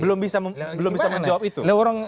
belum bisa menjawab itu